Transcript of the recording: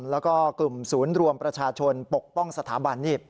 แล้วก็กลุ่มศูนย์รวมประชาชนปกป้องสถาบันนี่